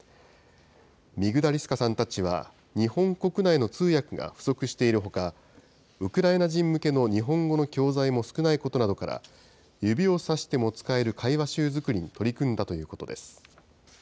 ミグダリスカさんたちは日本国内の通訳が不足しているほか、ウクライナ人向けの日本語の教材も少ないことなどから、指をさしても使える会話集作りに取り組んだということです。